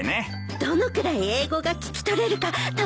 どのくらい英語が聞き取れるか試してみたかったの。